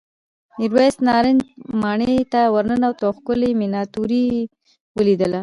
میرويس نارنج ماڼۍ ته ورننوت او ښکلې مېناتوري یې ولیدل.